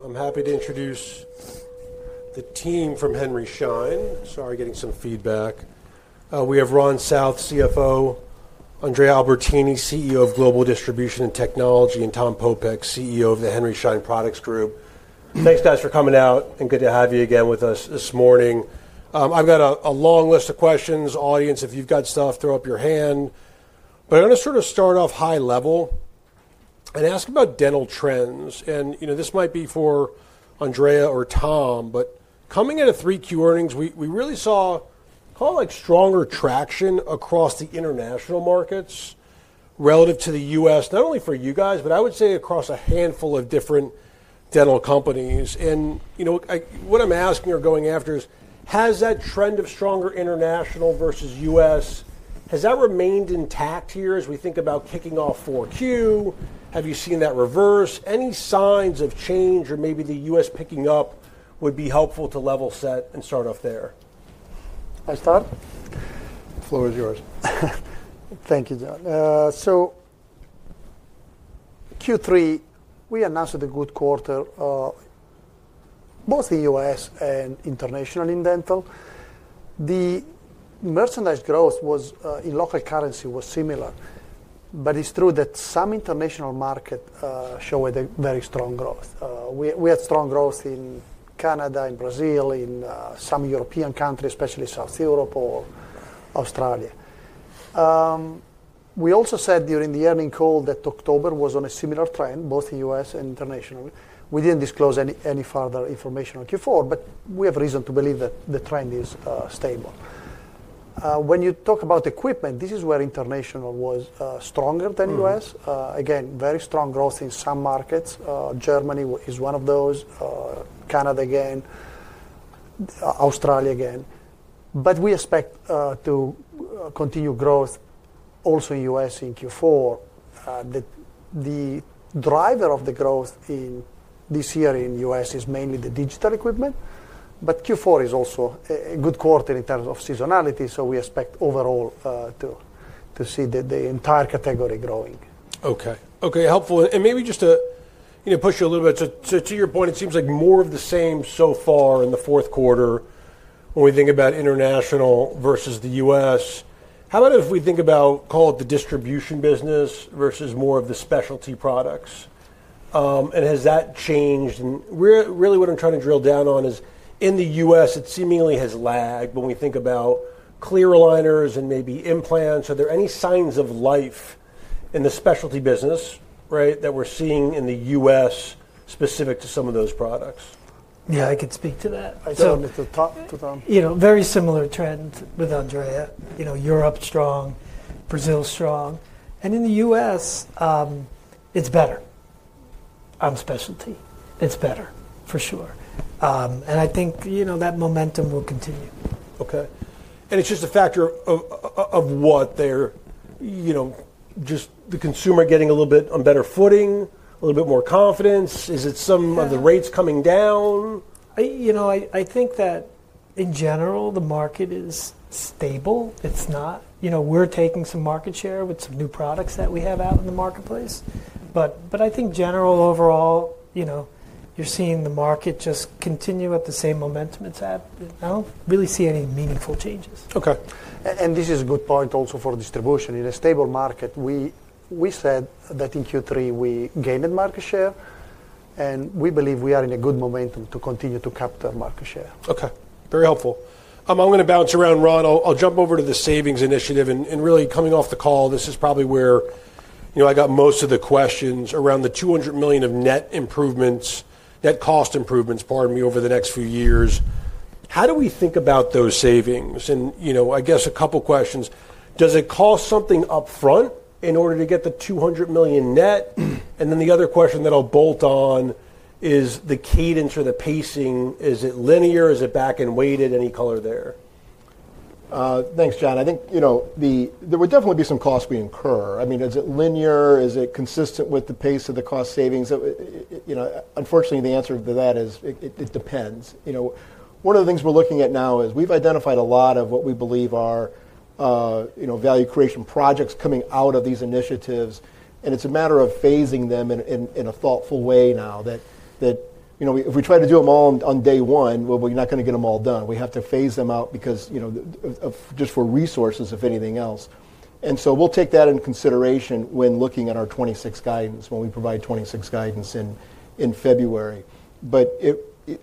I'm happy to introduce the team from Henry Schein. Sorry, getting some feedback. We have Ron South, CFO; Andrea Albertini, CEO of Global Distribution and Technology; and Tom Popeck, CEO of the Henry Schein Products Group. Thanks, guys, for coming out, and good to have you again with us this morning. I've got a long list of questions. Audience, if you've got stuff, throw up your hand. I'm going to sort of start off high level and ask about dental trends. This might be for Andrea or Tom, but coming into 3Q earnings, we really saw, call it like, stronger traction across the international markets relative to the U.S., not only for you guys, but I would say across a handful of different dental companies. What I'm asking or going after is, has that trend of stronger international versus US, has that remained intact here as we think about kicking off 4Q? Have you seen that reverse? Any signs of change or maybe the U.S. picking up would be helpful to level set and start off there? I start? Floor is yours. Thank you, Jon. Q3, we announced a good quarter, both in U.S. and international in dental. The merchandise growth in local currency was similar. It is true that some international markets showed very strong growth. We had strong growth in Canada, in Brazil, in some European countries, especially South Europe or Australia. We also said during the earnings call that October was on a similar trend, both in U.S. and international. We did not disclose any further information on Q4, but we have reason to believe that the trend is stable. When you talk about equipment, this is where international was stronger than U.S. Again, very strong growth in some markets. Germany is one of those. Canada again. Australia again. We expect to continue growth also in U.S. in Q4. The driver of the growth this year in the U.S. is mainly the digital equipment, but Q4 is also a good quarter in terms of seasonality. We expect overall to see the entire category growing. Okay. Okay. Helpful. Maybe just to push you a little bit, to your point, it seems like more of the same so far in the fourth quarter when we think about international versus the U.S. How about if we think about, call it the distribution business versus more of the specialty products? Has that changed? Really what I'm trying to drill down on is, in the U.S., it seemingly has lagged when we think about clear aligners and maybe implants. Are there any signs of life in the specialty business, right, that we're seeing in the U.S. specific to some of those products? Yeah, I could speak to that. I'll turn it to Tom. Very similar trend with Andrea. Europe strong, Brazil strong. In the U.S., it's better on specialty. It's better, for sure. I think that momentum will continue. Okay. It is just a factor of what? Just the consumer getting a little bit on better footing, a little bit more confidence? Is it some of the rates coming down? I think that in general, the market is stable. It's not. We're taking some market share with some new products that we have out in the marketplace. I think general overall, you're seeing the market just continue at the same momentum it's at. I don't really see any meaningful changes. Okay. This is a good point also for distribution. In a stable market, we said that in Q3 we gained market share. We believe we are in a good momentum to continue to capture market share. Okay. Very helpful. I'm going to bounce around, Ron. I'll jump over to the savings initiative. Really, coming off the call, this is probably where I got most of the questions around the $200 million of net improvements, net cost improvements, pardon me, over the next few years. How do we think about those savings? I guess a couple of questions. Does it cost something upfront in order to get the $200 million net? The other question that I'll bolt on is the cadence or the pacing. Is it linear? Is it back and weighted? Any color there? Thanks, Jon. I think there would definitely be some costs we incur. I mean, is it linear? Is it consistent with the pace of the cost savings? Unfortunately, the answer to that is it depends. One of the things we're looking at now is we've identified a lot of what we believe are value creation projects coming out of these initiatives. It's a matter of phasing them in a thoughtful way now that if we try to do them all on day one, we're not going to get them all done. We have to phase them out just for resources, if anything else. We'll take that into consideration when looking at our 2026 guidance, when we provide 2026 guidance in February.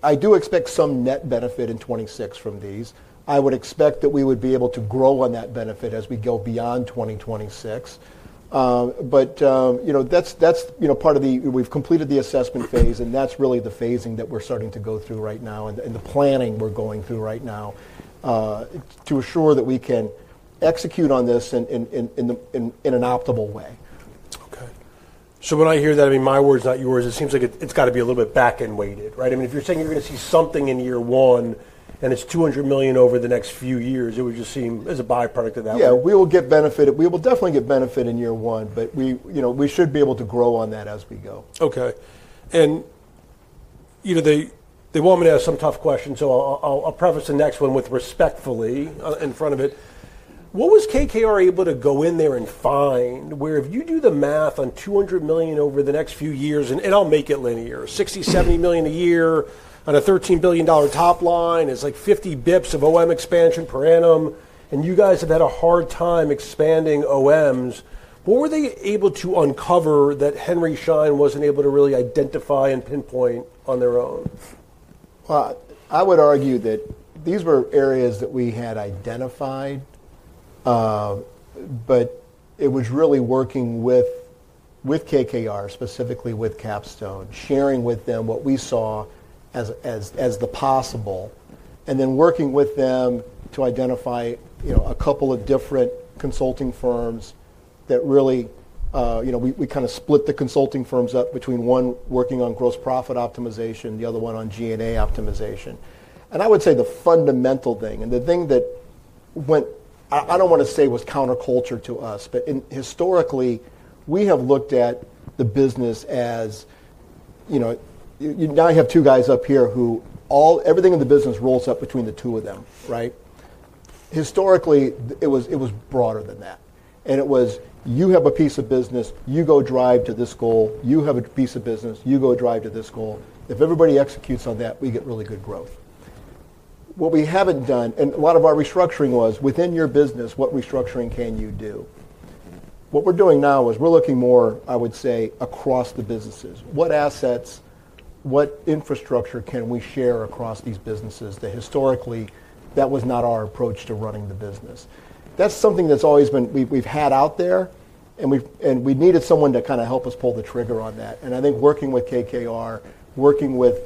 I do expect some net benefit in 2026 from these. I would expect that we would be able to grow on that benefit as we go beyond 2026. That is part of the we've completed the assessment phase, and that is really the phasing that we're starting to go through right now and the planning we're going through right now to assure that we can execute on this in an optimal way. Okay. When I hear that, I mean, my words, not yours, it seems like it's got to be a little bit back and weighted, right? I mean, if you're saying you're going to see something in year one and it's $200 million over the next few years, it would just seem as a byproduct of that. Yeah, we will get benefit. We will definitely get benefit in year one, but we should be able to grow on that as we go. Okay. They want me to ask some tough questions, so I'll preface the next one with respectfully in front of it. What was KKR able to go in there and find where if you do the math on $200 million over the next few years, and I'll make it linear, $60 million-$70 million a year on a $13 billion top line, it's like 50 bps of OM expansion per annum, and you guys have had a hard time expanding OMs, what were they able to uncover that Henry Schein was not able to really identify and pinpoint on their own? I would argue that these were areas that we had identified, but it was really working with KKR, specifically with Capstone, sharing with them what we saw as the possible, and then working with them to identify a couple of different consulting firms that really we kind of split the consulting firms up between one working on gross profit optimization, the other one on G&A optimization. I would say the fundamental thing, and the thing that went I do not want to say was counterculture to us, but historically, we have looked at the business as now I have two guys up here who everything in the business rolls up between the two of them, right? Historically, it was broader than that. It was you have a piece of business, you go drive to this goal, you have a piece of business, you go drive to this goal. If everybody executes on that, we get really good growth. What we haven't done, and a lot of our restructuring was within your business, what restructuring can you do? What we're doing now is we're looking more, I would say, across the businesses. What assets, what infrastructure can we share across these businesses that historically that was not our approach to running the business? That's something that's always been we've had out there, and we needed someone to kind of help us pull the trigger on that. I think working with KKR, working with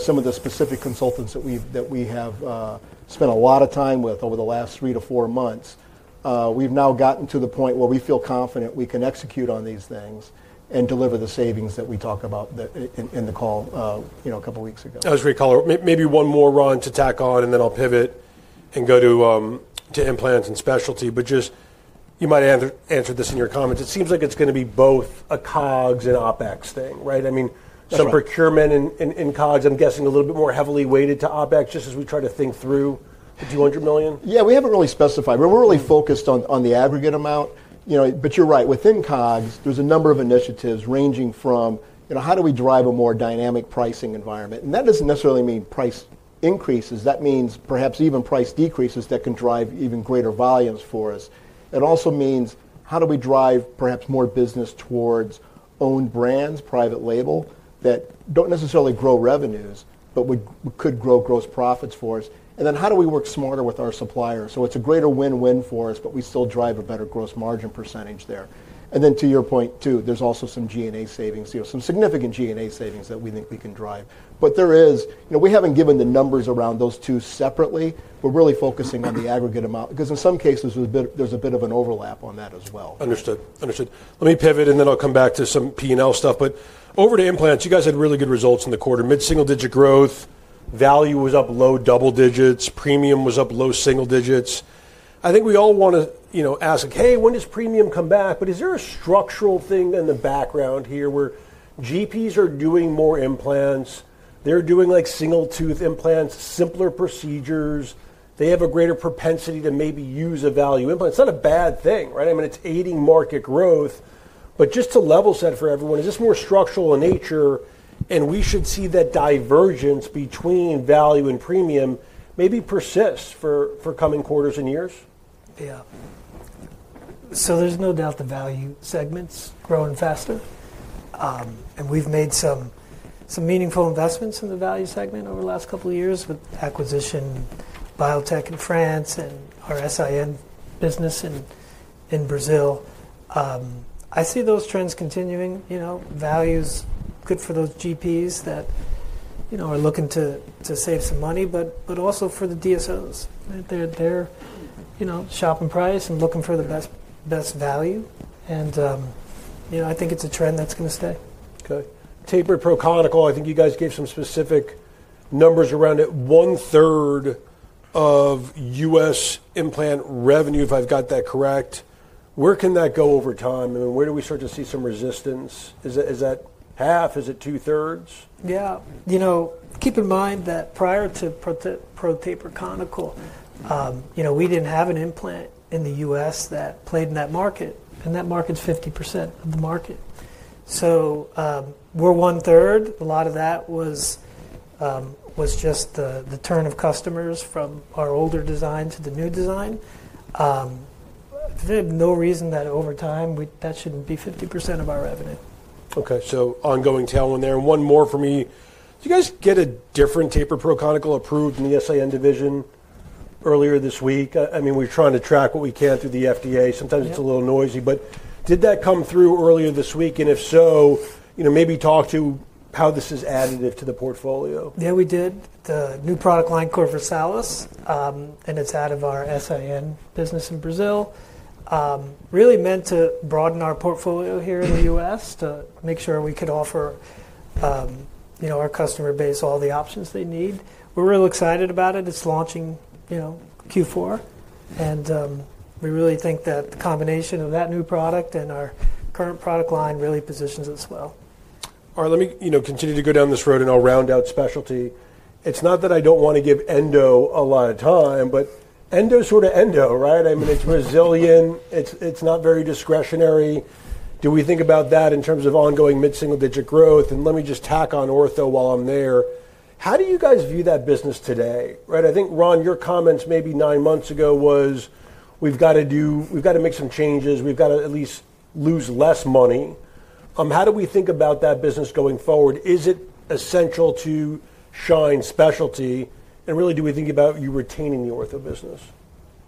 some of the specific consultants that we have spent a lot of time with over the last three to four months, we've now gotten to the point where we feel confident we can execute on these things and deliver the savings that we talk about in the call a couple of weeks ago. I was going to call maybe one more, Ron, to tack on, and then I'll pivot and go to implants and specialty. You might answer this in your comments. It seems like it's going to be both a COGS and OpEx thing, right? I mean, some procurement in COGS, I'm guessing a little bit more heavily weighted to OpEx just as we try to think through the $200 million. Yeah, we haven't really specified. We're really focused on the aggregate amount. You're right. Within COGS, there's a number of initiatives ranging from how do we drive a more dynamic pricing environment? That doesn't necessarily mean price increases. That means perhaps even price decreases that can drive even greater volumes for us. It also means how do we drive perhaps more business towards owned brands, private label that don't necessarily grow revenues, but could grow gross profits for us? How do we work smarter with our suppliers? It's a greater win-win for us, but we still drive a better gross margin percentage there. To your point, too, there's also some G&A savings, some significant G&A savings that we think we can drive. There is we haven't given the numbers around those two separately. We're really focusing on the aggregate amount because in some cases, there's a bit of an overlap on that as well. Understood. Understood. Let me pivot, and then I'll come back to some P&L stuff. Over to implants, you guys had really good results in the quarter. Mid-single digit growth, value was up low double digits, premium was up low single digits. I think we all want to ask, like, hey, when does premium come back? Is there a structural thing in the background here where GPs are doing more implants? They're doing single-tooth implants, simpler procedures. They have a greater propensity to maybe use a value implant. It's not a bad thing, right? I mean, it's aiding market growth. Just to level set for everyone, is this more structural in nature? Should we see that divergence between value and premium maybe persist for coming quarters and years? Yeah. There is no doubt the value segment's growing faster. We have made some meaningful investments in the value segment over the last couple of years with the acquisition, Biotech in France, and our S.I.N. business in Brazil. I see those trends continuing. Value is good for those GPs that are looking to save some money, but also for the DSOs. They are shopping price and looking for the best value. I think it is a trend that is going to stay. Okay. Tapered Pro Conical. I think you guys gave some specific numbers around it, 1/3 of U.S. implant revenue, if I've got that correct. Where can that go over time? I mean, where do we start to see some resistance? Is that half? Is it 2/3? Yeah. Keep in mind that prior to Tapered Pro Conical, we did not have an implant in the US that played in that market. And that market is 50% of the market. So we are 1/3. A lot of that was just the turn of customers from our older design to the new design. There is no reason that over time that should not be 50% of our revenue. Okay. Ongoing talent there. And one more for me. Did you guys get a different Tapered Pro Conical approved in the S.I.N. division earlier this week? I mean, we're trying to track what we can through the FDA. Sometimes it's a little noisy. Did that come through earlier this week? And if so, maybe talk to how this is additive to the portfolio. Yeah, we did. The new product line is called Versalis, and it's out of our S.I.N. business in Brazil, really meant to broaden our portfolio here in the U.S. to make sure we could offer our customer base all the options they need. We're really excited about it. It's launching Q4. We really think that the combination of that new product and our current product line really positions it as well. All right. Let me continue to go down this road, and I'll round out specialty. It's not that I don't want to give Endo a lot of time, but Endo's sort of Endo, right? I mean, it's Brazilian. It's not very discretionary. Do we think about that in terms of ongoing mid-single digit growth? And let me just tack on Ortho while I'm there. How do you guys view that business today, right? I think, Ron, your comments maybe nine months ago was, we've got to do we've got to make some changes. We've got to at least lose less money. How do we think about that business going forward? Is it essential to Schein specialty? And really, do we think about you retaining the Ortho business?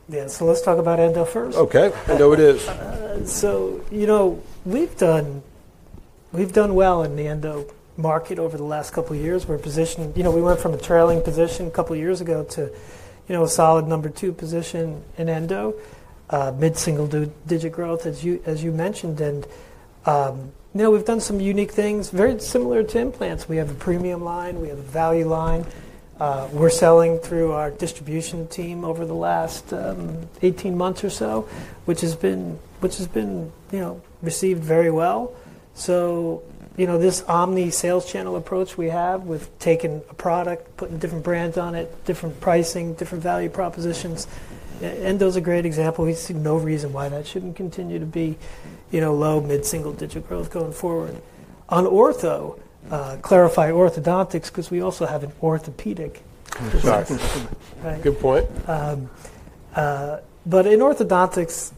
Yeah. Let's talk about Endo first. Okay. Endo it is. We have done well in the Endo market over the last couple of years. We are positioned, we went from a trailing position a couple of years ago to a solid number two position in Endo, mid-single digit growth, as you mentioned. We have done some unique things very similar to implants. We have a premium line. We have a value line. We are selling through our distribution team over the last 18 months or so, which has been received very well. This omni sales channel approach we have with taking a product, putting different brands on it, different pricing, different value propositions. Endo is a great example. We see no reason why that should not continue to be low mid-single digit growth going forward. On Ortho, clarify orthodontics because we also have an orthopedic position. Good point. In orthodontics,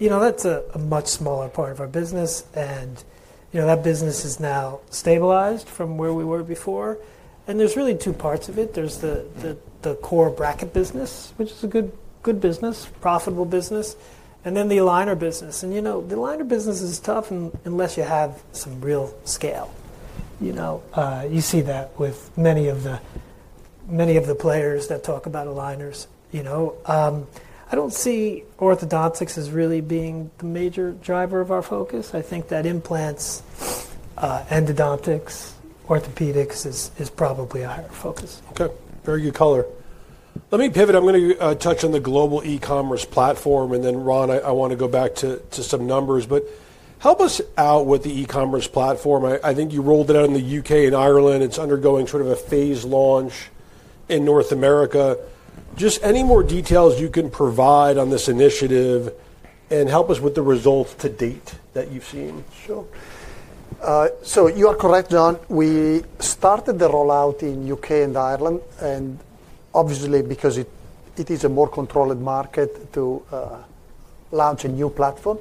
that's a much smaller part of our business. That business is now stabilized from where we were before. There are really two parts of it. There is the core bracket business, which is a good business, profitable business, and then the aligner business. The aligner business is tough unless you have some real scale. You see that with many of the players that talk about aligners. I do not see orthodontics as really being the major driver of our focus. I think that implants, endodontics, orthopedics is probably a higher focus. Okay. Very good color. Let me pivot. I'm going to touch on the global e-commerce platform. Then, Ron, I want to go back to some numbers. Help us out with the e-commerce platform. I think you rolled it out in the U.K. and Ireland. It's undergoing sort of a phase launch in North America. Just any more details you can provide on this initiative and help us with the results to date that you've seen? Sure. You are correct, Jon. We started the rollout in the U.K. and Ireland, and obviously, because it is a more controlled market to launch a new platform.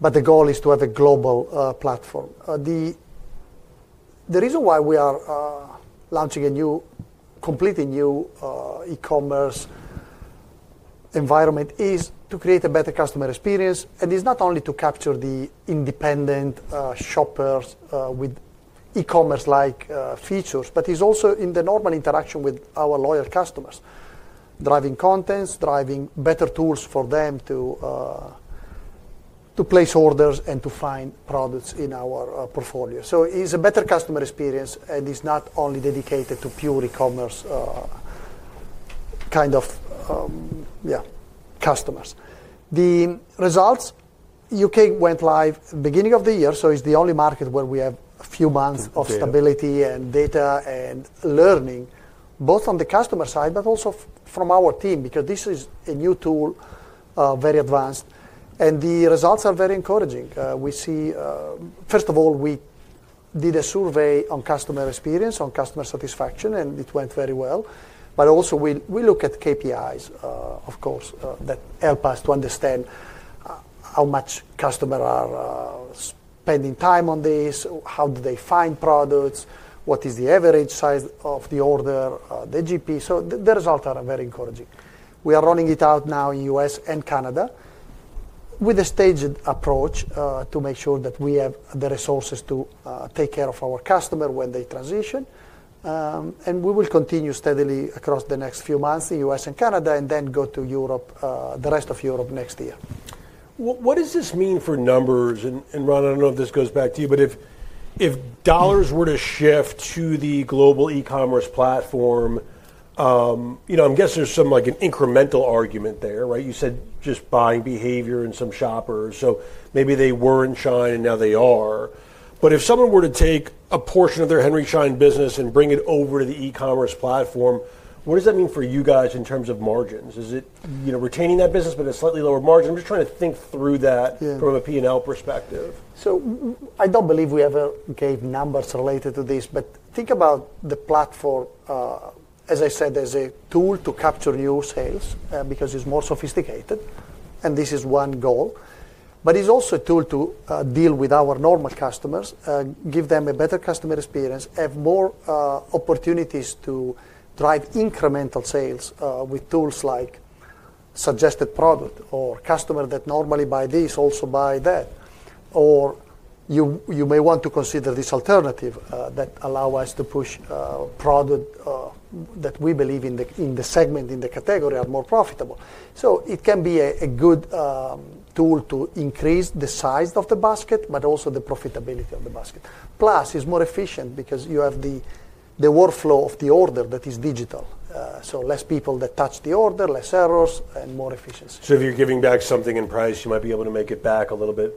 The goal is to have a global platform. The reason why we are launching a completely new e-commerce environment is to create a better customer experience. It is not only to capture the independent shoppers with e-commerce-like features, but it is also in the normal interaction with our loyal customers, driving contents, driving better tools for them to place orders and to find products in our portfolio. It is a better customer experience, and it is not only dedicated to pure e-commerce kind of, yeah, customers. The results, U.K. went live at the beginning of the year, so it's the only market where we have a few months of stability and data and learning, both on the customer side, but also from our team because this is a new tool, very advanced. The results are very encouraging. We see, first of all, we did a survey on customer experience, on customer satisfaction, and it went very well. We also look at KPIs, of course, that help us to understand how much customers are spending time on this, how do they find products, what is the average size of the order, the GP. The results are very encouraging. We are rolling it out now in the U.S. and Canada with a staged approach to make sure that we have the resources to take care of our customers when they transition. We will continue steadily across the next few months in the U.S. and Canada and then go to Europe, the rest of Europe next year. What does this mean for numbers? Ron, I do not know if this goes back to you, but if dollars were to shift to the global e-commerce platform, I am guessing there is some incremental argument there, right? You said just buying behavior in some shoppers. Maybe they were not Schein, and now they are. If someone were to take a portion of their Henry Schein business and bring it over to the e-commerce platform, what does that mean for you guys in terms of margins? Is it retaining that business, but at a slightly lower margin? I am just trying to think through that from a P&L perspective. I don't believe we ever gave numbers related to this. Think about the platform, as I said, as a tool to capture new sales because it's more sophisticated. This is one goal. It's also a tool to deal with our normal customers, give them a better customer experience, have more opportunities to drive incremental sales with tools like suggested product or customer that normally buys this also buys that. You may want to consider this alternative that allows us to push products that we believe in the segment, in the category, are more profitable. It can be a good tool to increase the size of the basket, but also the profitability of the basket. Plus, it's more efficient because you have the workflow of the order that is digital. Fewer people touch the order, fewer errors, and more efficiency. If you're giving back something in price, you might be able to make it back a little bit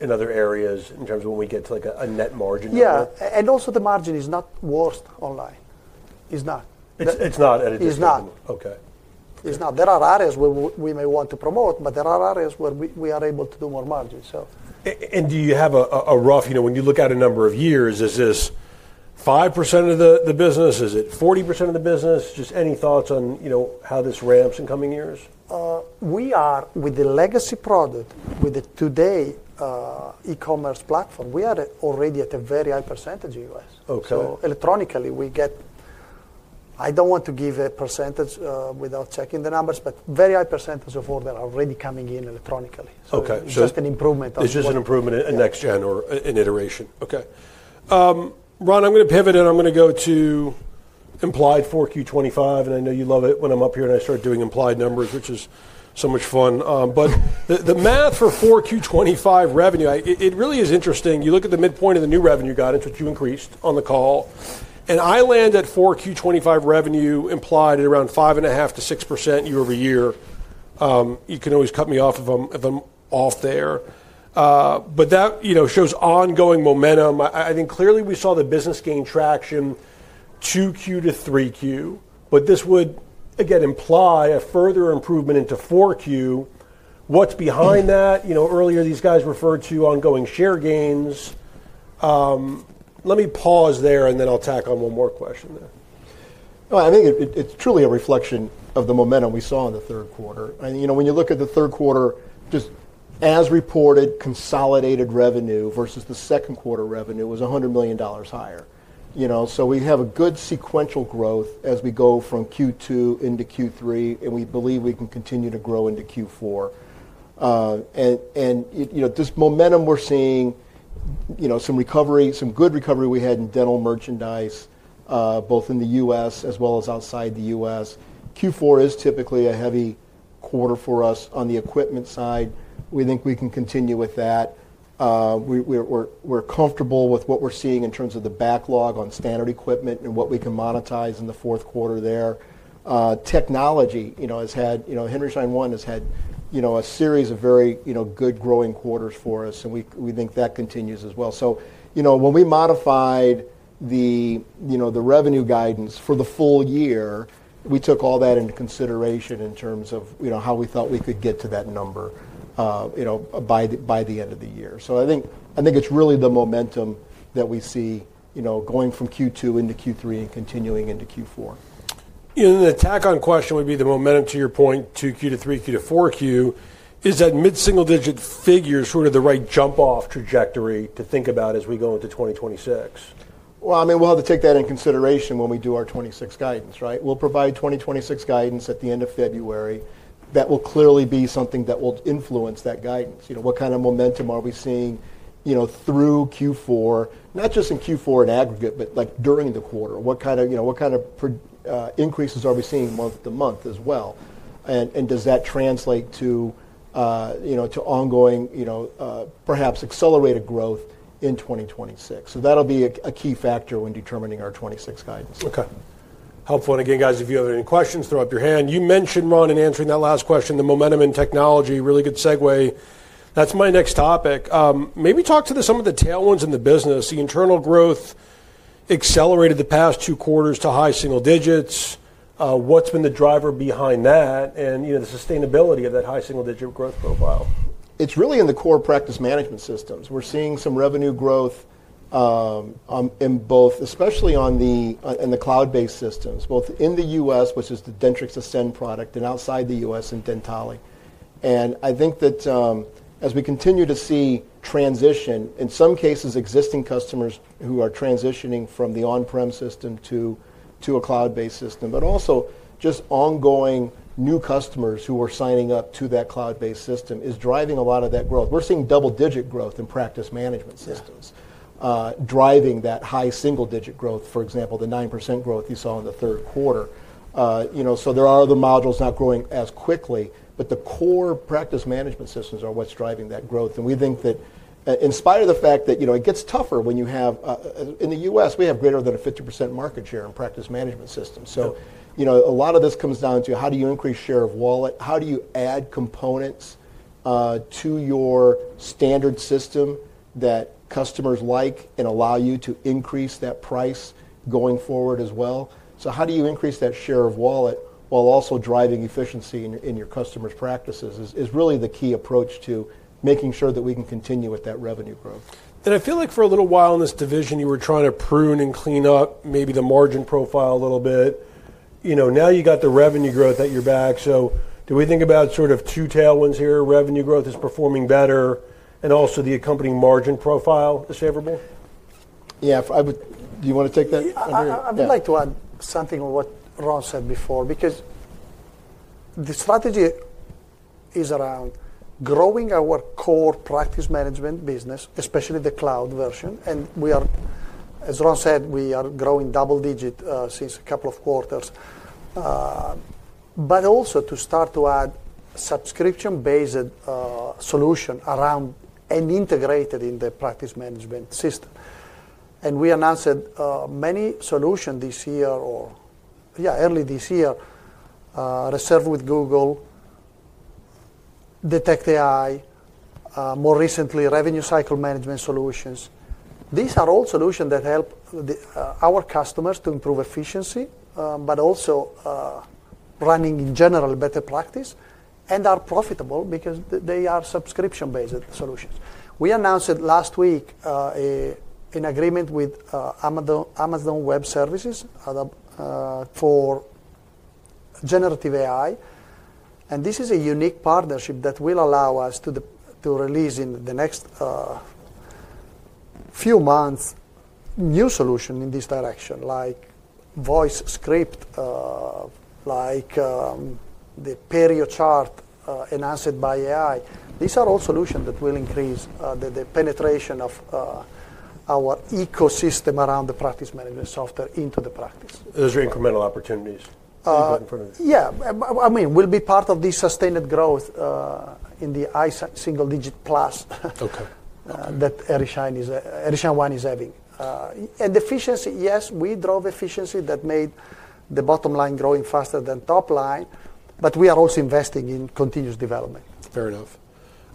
in other areas in terms of when we get to a net margin number. Yeah. Also, the margin is not worse online. It's not. It's not at a disadvantage. It's not. There are areas where we may want to promote, but there are areas where we are able to do more margin, so. Do you have a rough, when you look at a number of years, is this 5% of the business? Is it 40% of the business? Just any thoughts on how this ramps in coming years? We are, with the legacy product, with the today e-commerce platform, we are already at a very high percentage in the U.S. Electronically, we get, I do not want to give a percentage without checking the numbers, but very high percentage of orders are already coming in electronically. It is just an improvement on the. It's just an improvement in next gen or an iteration. Okay. Ron, I'm going to pivot, and I'm going to go to implied 4Q 2025. I know you love it when I'm up here and I start doing implied numbers, which is so much fun. The math for 4Q 2025 revenue, it really is interesting. You look at the midpoint of the new revenue guidance, which you increased on the call. I land at 4Q 2025 revenue implied at around 5.5%-6% year-over-year. You can always cut me off if I'm off there. That shows ongoing momentum. I think clearly we saw the business gain traction 2Q to 3Q. This would, again, imply a further improvement into 4Q. What's behind that? Earlier, these guys referred to ongoing share gains. Let me pause there, and then I'll tack on one more question there. I think it's truly a reflection of the momentum we saw in the third quarter. When you look at the third quarter, just as reported, consolidated revenue versus the second quarter revenue was $100 million higher. We have a good sequential growth as we go from Q2 into Q3, and we believe we can continue to grow into Q4. This momentum we're seeing, some recovery, some good recovery we had in dental merchandise, both in the U.S. as well as outside the U.S. Q4 is typically a heavy quarter for us on the equipment side. We think we can continue with that. We're comfortable with what we're seeing in terms of the backlog on standard equipment and what we can monetize in the fourth quarter there. Technology has had Henry Schein One has had a series of very good growing quarters for us. We think that continues as well. When we modified the revenue guidance for the full year, we took all that into consideration in terms of how we thought we could get to that number by the end of the year. I think it is really the momentum that we see going from Q2 into Q3 and continuing into Q4. The tack-on question would be the momentum, to your point, 2Q to 3Q to 4Q, is that mid-single digit figure sort of the right jump-off trajectory to think about as we go into 2026? I mean, we'll have to take that into consideration when we do our 2026 guidance, right? We'll provide 2026 guidance at the end of February. That will clearly be something that will influence that guidance. What kind of momentum are we seeing through Q4, not just in Q4 in aggregate, but during the quarter? What kind of increases are we seeing month to month as well? And does that translate to ongoing, perhaps accelerated growth in 2026? That'll be a key factor when determining our 2026 guidance. Okay. Helpful. Again, guys, if you have any questions, throw up your hand. You mentioned, Ron, in answering that last question, the momentum in technology, really good segue. That's my next topic. Maybe talk to some of the tailwinds in the business. The internal growth accelerated the past two quarters to high single digits. What's been the driver behind that and the sustainability of that high single digit growth profile? It's really in the core practice management systems. We're seeing some revenue growth in both, especially in the cloud-based systems, both in the U.S., which is the Dentrix Ascend product, and outside the U.S. in Dentally. I think that as we continue to see transition, in some cases, existing customers who are transitioning from the on-prem system to a cloud-based system, but also just ongoing new customers who are signing up to that cloud-based system is driving a lot of that growth. We're seeing double-digit growth in practice management systems driving that high single digit growth, for example, the 9% growth you saw in the third quarter. There are other models not growing as quickly, but the core practice management systems are what's driving that growth. We think that in spite of the fact that it gets tougher when you have in the U.S., we have greater than a 50% market share in practice management systems. A lot of this comes down to how do you increase share of wallet? How do you add components to your standard system that customers like and allow you to increase that price going forward as well? How do you increase that share of wallet while also driving efficiency in your customers' practices is really the key approach to making sure that we can continue with that revenue growth. I feel like for a little while in this division, you were trying to prune and clean up maybe the margin profile a little bit. Now you got the revenue growth at your back. Do we think about sort of two tailwinds here? Revenue growth is performing better, and also the accompanying margin profile is favorable? Yeah. Do you want to take that? I'd like to add something to what Ron said before because the strategy is around growing our core practice management business, especially the cloud version. As Ron said, we are growing double digit since a couple of quarters, but also to start to add subscription-based solutions around and integrated in the practice management system. We announced many solutions this year or, yeah, early this year, Reserve with Google, Detect AI, more recently, revenue cycle management solutions. These are all solutions that help our customers to improve efficiency, but also running in general better practice and are profitable because they are subscription-based solutions. We announced it last week in agreement with Amazon Web Services for generative AI. This is a unique partnership that will allow us to release in the next few months new solutions in this direction, like voice script, like the period chart enhanced by AI. These are all solutions that will increase the penetration of our ecosystem around the practice management software into the practice. Those are incremental opportunities in front of you. Yeah. I mean, we'll be part of this sustained growth in the high single digit plus that Henry Schein One is having. And efficiency, yes, we drove efficiency that made the bottom line growing faster than top line, but we are also investing in continuous development. Fair enough.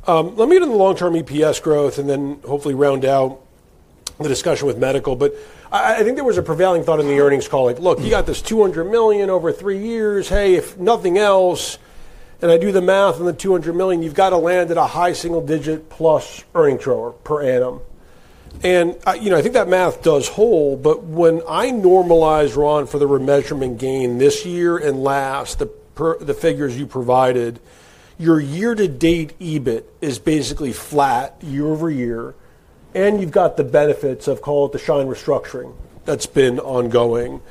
Let me get into the long-term EPS growth and then hopefully round out the discussion with medical. I think there was a prevailing thought in the earnings call, like, "Look, you got this $200 million over three years. Hey, if nothing else, and I do the math on the $200 million, you've got to land at a high single digit plus earnings per annum." I think that math does hold. When I normalize, Ron, for the remeasurement gain this year and last, the figures you provided, your year-to-date EBIT is basically flat year-over-year. You have got the benefits of, call it, the Schein restructuring that's been ongoing.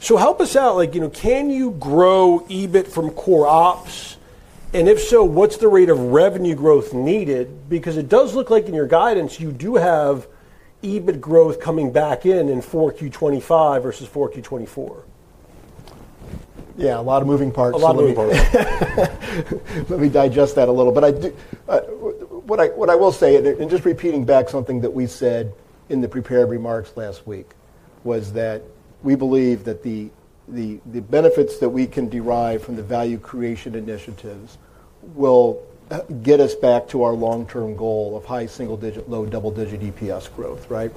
Help us out. Can you grow EBIT from core ops? If so, what's the rate of revenue growth needed? Because it does look like in your guidance, you do have EBIT growth coming back in in 4Q 2025 versus 4Q 2024. Yeah, a lot of moving parts. A lot of moving parts. Let me digest that a little. What I will say, and just repeating back something that we said in the prepared remarks last week, was that we believe that the benefits that we can derive from the value creation initiatives will get us back to our long-term goal of high single-digit, low double-digit EPS growth, right?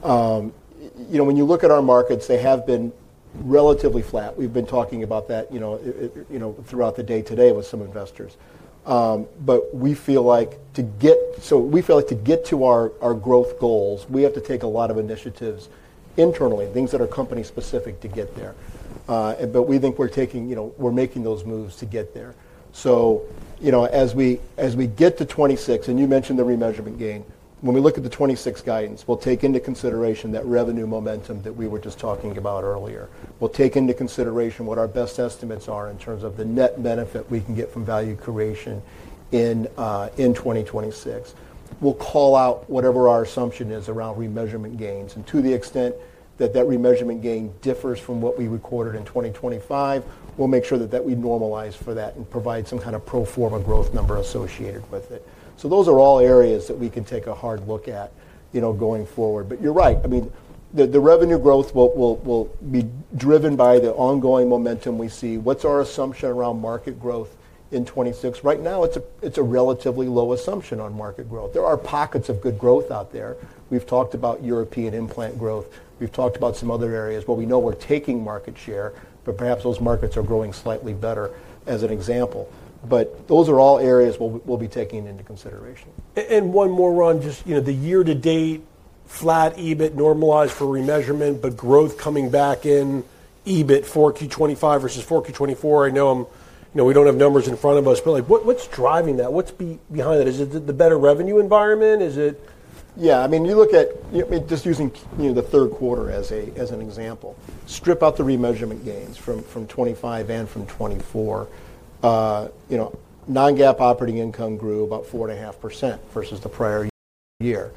When you look at our markets, they have been relatively flat. We've been talking about that throughout the day today with some investors. We feel like to get to our growth goals, we have to take a lot of initiatives internally, things that are company-specific to get there. We think we're making those moves to get there. As we get to 2026, and you mentioned the remeasurement gain, when we look at the 2026 guidance, we'll take into consideration that revenue momentum that we were just talking about earlier. We'll take into consideration what our best estimates are in terms of the net benefit we can get from value creation in 2026. We'll call out whatever our assumption is around remeasurement gains. To the extent that that remeasurement gain differs from what we recorded in 2025, we'll make sure that we normalize for that and provide some kind of pro forma growth number associated with it. Those are all areas that we can take a hard look at going forward. You're right. I mean, the revenue growth will be driven by the ongoing momentum we see. What's our assumption around market growth in 2026? Right now, it's a relatively low assumption on market growth. There are pockets of good growth out there. We've talked about European implant growth. We've talked about some other areas where we know we're taking market share, perhaps those markets are growing slightly better as an example. Those are all areas we'll be taking into consideration. One more, Ron, just the year-to-date flat EBIT normalized for remeasurement, but growth coming back in EBIT 4Q 2025 versus 4Q 2024. I know we do not have numbers in front of us, but what is driving that? What is behind that? Is it the better revenue environment? Is it? Yeah. I mean, you look at just using the third quarter as an example, strip out the remeasurement gains from 2025 and from 2024. Non-GAAP operating income grew about 4.5% versus the prior year.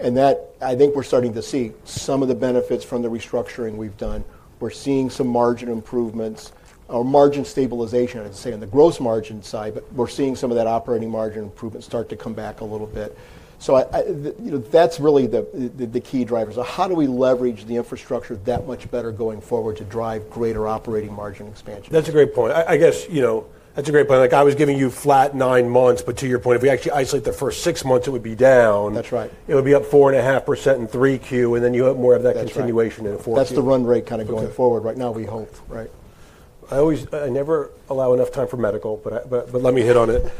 And I think we're starting to see some of the benefits from the restructuring we've done. We're seeing some margin improvements or margin stabilization, I'd say, on the gross margin side, but we're seeing some of that operating margin improvement start to come back a little bit. So that's really the key drivers. How do we leverage the infrastructure that much better going forward to drive greater operating margin expansion? That's a great point. I guess, like I was giving you flat nine months, but to your point, if we actually isolate the first six months, it would be down. That's right. It would be up 4.5% in 3Q, and then you have more of that continuation in 4Q. That's the run rate kind of going forward right now, we hope, right? I never allow enough time for medical, but let me hit on it.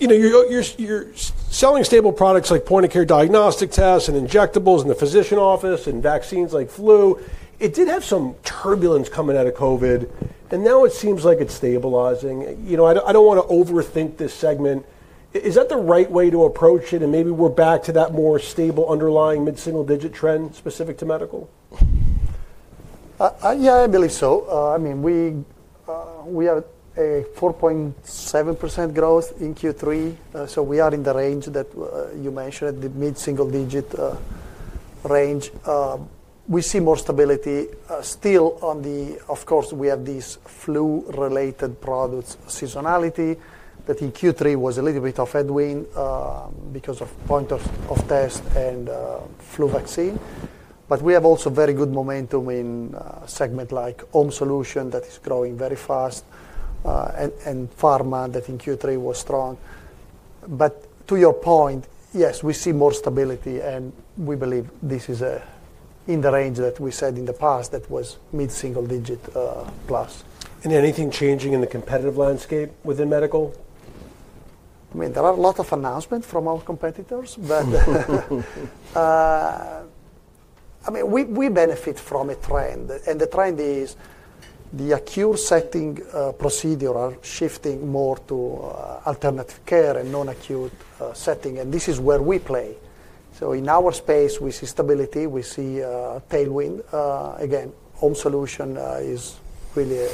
You're selling stable products like point-of-care diagnostic tests and injectables in the physician office and vaccines like flu. It did have some turbulence coming out of COVID, and now it seems like it's stabilizing. I don't want to overthink this segment. Is that the right way to approach it? Maybe we're back to that more stable underlying mid-single digit trend specific to medical? Yeah, I believe so. I mean, we have a 4.7% growth in Q3. We are in the range that you mentioned, the mid-single digit range. We see more stability still on the, of course, we have these flu-related products seasonality that in Q3 was a little bit of headwind because of point of test and flu vaccine. We have also very good momentum in segment like home solution that is growing very fast and pharma that in Q3 was strong. To your point, yes, we see more stability, and we believe this is in the range that we said in the past that was mid-single digit plus. Is anything changing in the competitive landscape within medical? I mean, there are a lot of announcements from our competitors, but I mean, we benefit from a trend. The trend is the acute setting procedure are shifting more to alternative care and non-acute setting. This is where we play. In our space, we see stability. We see tailwind. Again, home solution is really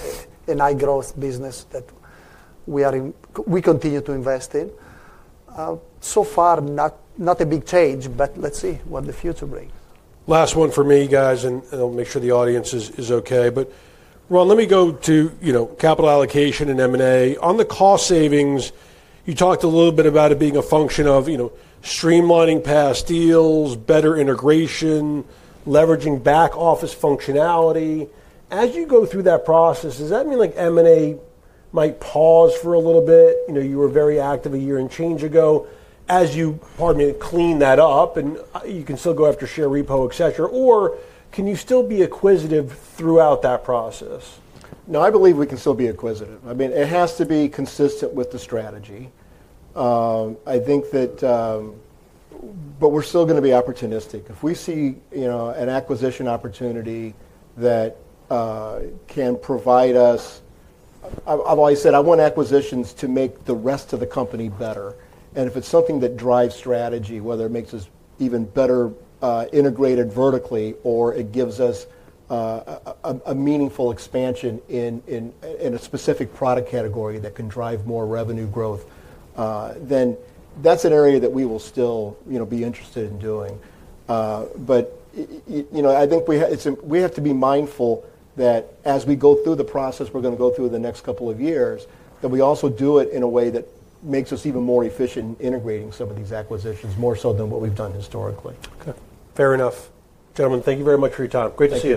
a high-growth business that we continue to invest in. So far, not a big change, but let's see what the future brings. Last one for me, guys, and I'll make sure the audience is okay. Ron, let me go to capital allocation and M&A. On the cost savings, you talked a little bit about it being a function of streamlining past deals, better integration, leveraging back-office functionality. As you go through that process, does that mean M&A might pause for a little bit? You were very active a year and change ago as you clean that up, and you can still go after share repo, et cetera. Or can you still be acquisitive throughout that process? No, I believe we can still be acquisitive. I mean, it has to be consistent with the strategy. I think that, but we're still going to be opportunistic. If we see an acquisition opportunity that can provide us, I've always said I want acquisitions to make the rest of the company better. If it's something that drives strategy, whether it makes us even better integrated vertically or it gives us a meaningful expansion in a specific product category that can drive more revenue growth, then that's an area that we will still be interested in doing. I think we have to be mindful that as we go through the process, we're going to go through the next couple of years, that we also do it in a way that makes us even more efficient in integrating some of these acquisitions more so than what we've done historically. Okay. Fair enough. Gentlemen, thank you very much for your time. Great to see you.